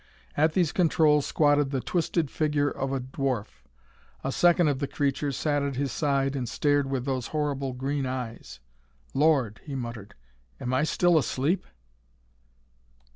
At these controls squatted the twisted figure of a dwarf. A second of the creatures sat at his side and stared with those horrible green eyes. "Lord!" he muttered. "Am I still asleep?"